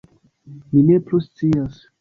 - Mi ne plu scias